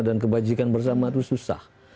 dan kebajikan bersama itu susah